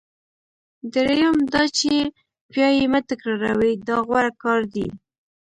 دریم دا چې بیا یې مه تکراروئ دا غوره کار دی.